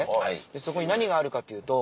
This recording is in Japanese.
そこに何があるかというと。